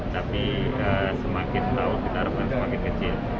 tapi semakin tahu kita harapkan semakin kecil